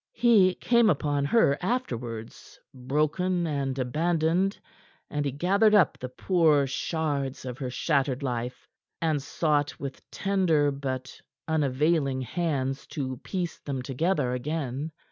He came upon her afterwards, broken and abandoned, and he gathered up the poor shards of her shattered life, and sought with tender but unavailing hands to piece them together again.